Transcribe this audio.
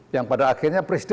yang pada akhirnya presiden